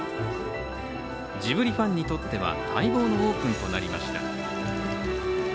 ジブリファンにとっては待望のオープンとなりました。